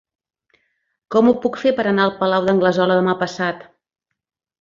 Com ho puc fer per anar al Palau d'Anglesola demà passat?